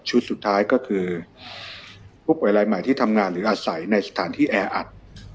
สุดท้ายก็คือผู้ป่วยรายใหม่ที่ทำงานหรืออาศัยในสถานที่แออัด